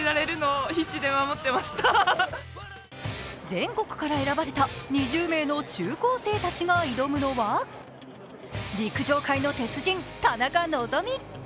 全国から選ばれた２０名の中高生たちが挑むのは陸上界の鉄人・田中希実。